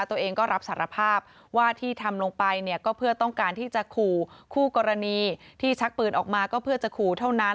ตัวเองก็รับสารภาพว่าที่ทำลงไปเนี่ยก็เพื่อต้องการที่จะขู่คู่กรณีที่ชักปืนออกมาก็เพื่อจะขู่เท่านั้น